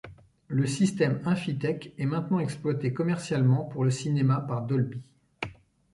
Le système Infitec est maintenant exploité commercialement pour le cinéma par Dolby.